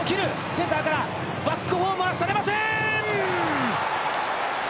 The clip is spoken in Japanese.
センターからバックホームはされません！